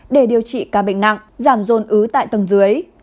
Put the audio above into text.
để điều trị ca bệnh nặng giảm dồn ứ tại tầng dưới